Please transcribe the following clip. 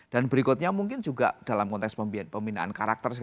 berikutnya mungkin juga dalam konteks pembinaan karakter